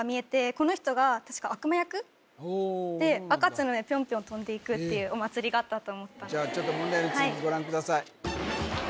この人が確か悪魔役で赤ちゃんの上ピョンピョンとんでいくっていうお祭りがあったと思ったのでじゃあ問題の続きご覧ください